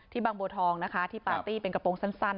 ที่บางโบทองนะคะที่ปาร์ตี้เป็นกระโปรงสั้นสั้น